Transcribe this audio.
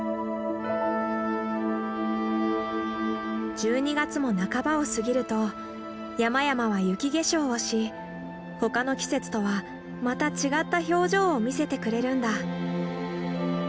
１２月も半ばを過ぎると山々は雪化粧をし他の季節とはまた違った表情を見せてくれるんだ。